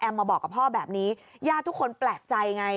มาบอกกับพ่อแบบนี้ญาติทุกคนแปลกใจไง